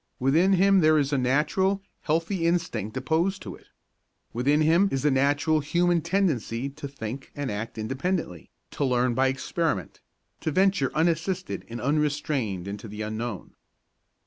Within him there is a natural, healthy instinct opposed to it. Within him is the natural human tendency to think and act independently, to learn by experiment, to venture unassisted and unrestrained into the unknown.